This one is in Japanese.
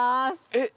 えっ？